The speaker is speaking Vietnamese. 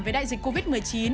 với đại dịch covid một mươi chín